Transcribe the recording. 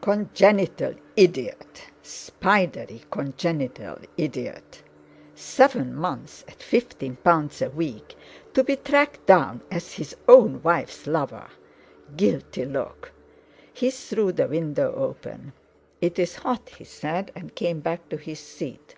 Congenital idiot—spidery congenital idiot! Seven months at fifteen pounds a week—to be tracked down as his own wife's lover! Guilty look! He threw the window open. "It's hot," he said, and came back to his seat.